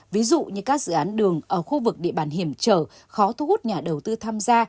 ví dụ như các dự án đường ở khu vực địa bàn hiểm trở khó thu hút nhà đầu tư tham gia